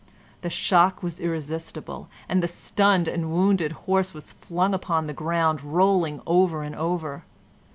The shock was irresistible, and the stunned and wounded horse was flung upon the ground, rolling over and over.